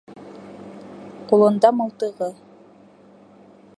Ҡулында мылтығы.